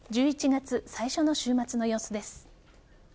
１１月最初の週末の様子です。